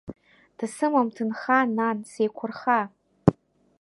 Дсымам ҭынха, нан, сеиқәырха…